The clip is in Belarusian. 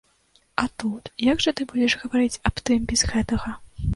А тут, як жа ты будзеш гаварыць аб тым без гэтага?